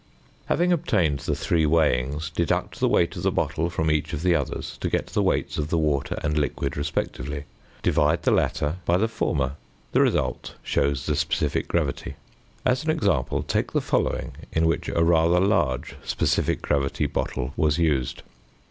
Having obtained the three weighings, deduct the weight of the bottle from each of the others to get the weights of the water and liquid respectively. Divide the latter by the former, the result shows the sp. g. As an example, take the following, in which a rather large sp. g. bottle was used: 1.